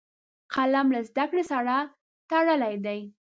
قلم له زده کړې سره تړلی دی